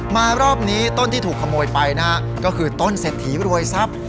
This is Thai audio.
รอบนี้ต้นที่ถูกขโมยไปนะฮะก็คือต้นเศรษฐีรวยทรัพย์